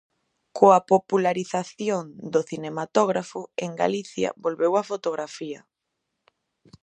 Coa popularización do cinematógrafo en Galicia volveu á fotografía.